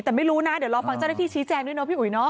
แต่ไม่รู้นะเดี๋ยวรอฟังเจ้าหน้าที่ชี้แจงด้วยเนาะพี่อุ๋ยเนาะ